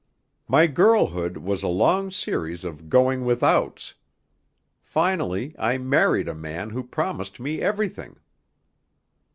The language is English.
My girlhood was a long series of going withouts. Finally I married a man who promised me everything.